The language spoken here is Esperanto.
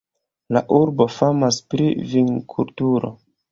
La urbo famas pri vinkulturo.